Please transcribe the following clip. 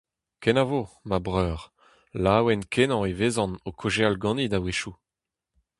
Kenavo, ma breur, laouen-kenañ e vezan o kaozeal ganit a-wechoù.